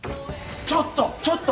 ちょっとちょっと！